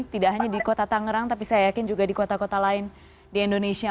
tidak hanya di kota tangerang tapi saya yakin juga di kota kota lain di indonesia